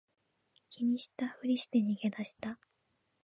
気にしたふりして逃げ出した